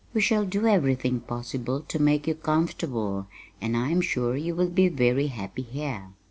We shall do everything possible to make you comfortable, and I am sure you will be very happy here.